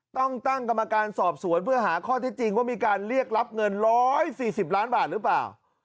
ตั้งกรรมการสอบสวนเพื่อหาข้อเท็จจริงว่ามีการเรียกรับเงิน๑๔๐ล้านบาทหรือเปล่า